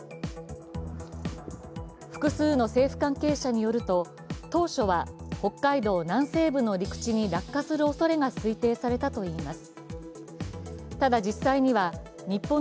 複数の政府関係者によると当初は北海道南西部の陸地に落下するおそれが推定されたといいます。